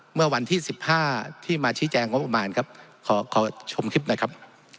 เมื่อวันที่๑๕ที่มาชี้แจงงบประมาณครับขอชมคลิปนะครับ